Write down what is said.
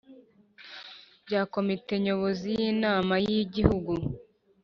bya Komite Nyobozi y Inama y Igihugu